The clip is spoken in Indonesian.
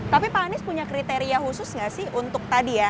tapi pak anies punya kriteria khusus nggak sih untuk tadi ya